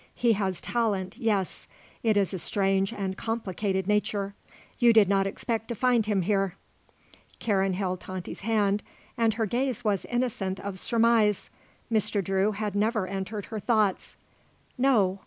He has talent, yes; it is a strange and complicated nature. You did not expect to find him here?" Karen held Tante's hand and her gaze was innocent of surmise. Mr. Drew had never entered her thoughts. "No.